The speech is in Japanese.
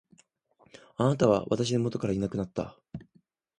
貴方は私の元からいなくなった。